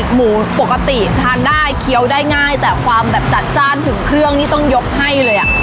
หมูปกติทานได้เคี้ยวได้ง่ายแต่ความแบบจัดจ้านถึงเครื่องนี่ต้องยกให้เลยอ่ะ